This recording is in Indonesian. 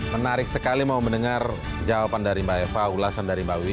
menarik sekali mau mendengar jawaban dari mbak eva ulasan dari mbak wiwi